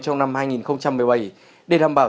trong năm hai nghìn một mươi bảy để đảm bảo